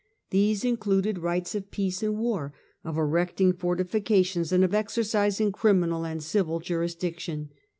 These included rights of peace and war, of erecting fortifications and of exercising criminal and civil jurisdiction.